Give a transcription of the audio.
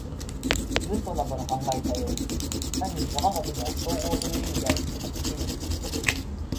ヴントなどの考えたように、単に諸科学の綜合という意味であることができぬ。